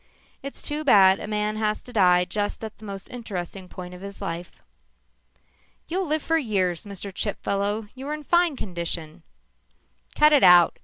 "It's too bad a man has to die just at the most interesting point of his life." "You'll live for years, Mr. Chipfellow. You're in fine condition." "Cut it out.